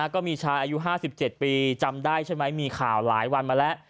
ก็มีชายอายุ๕๗ปีจำได้ใช่ไหมมีข่าวหลายวันมาแล้ว